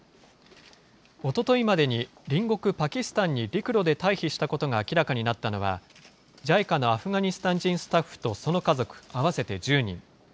おとといまでに隣国パキスタンに陸路で退避したことが明らかになったのは、ＪＩＣＡのアフガニスタン人スタッフとその家族合わせて１０人。